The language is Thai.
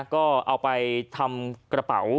ก็เอาไปทำกระเป๋า